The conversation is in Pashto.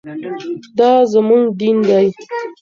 دا زموږ دین دی.